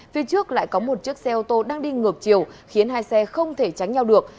phía trước lại có một chiếc xe ô tô đang đi ngược chiều khiến hai xe không thể tránh nhau được